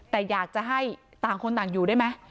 แต่อยากจะให้ต่างคนต่างอยู่ได้ไหม